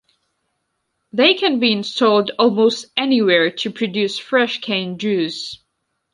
They can be installed almost anywhere to produce fresh cane juice.